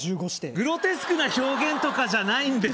グロテスクな表現とかじゃないんですよ